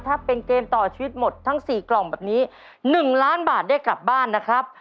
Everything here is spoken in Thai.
ถ้าเป็นเกมต่อชีวิตหมดทั้ง๔กล่องแบบนี้๑ล้านบาทได้กลับบ้านนะครับ